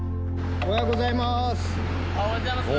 おはようございます。